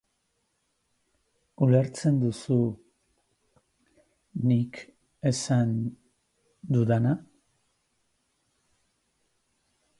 Esaten dabiltzan gauzak irakurtzen ditudanean harrituta gelditzen nahiz.